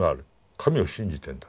神を信じてんだ。